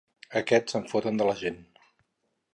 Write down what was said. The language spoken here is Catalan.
Aquests se'n foten de la gent.